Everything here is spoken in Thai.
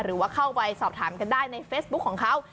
หรือว่าเข้าไปสอบถามกันได้ในเฟซบุ๊คของเขา